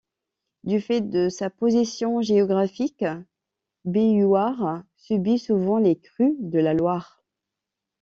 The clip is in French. Du fait de sa position géographique, Béhuard subit souvent les crues de la Loire.